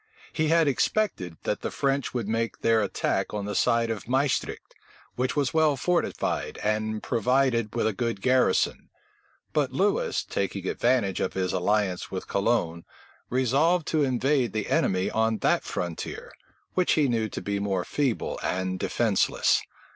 He had expected, that the French would make their attack on the side of Maestricht, which was well fortified, and provided with a good garrison; but Lewis, taking advantage of his alliance with Cologne, resolved to invade the enemy on that frontier, which he knew to be more feeble and defenceless.